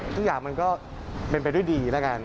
ทุกอย่างมันก็เป็นไปด้วยดีแล้วกัน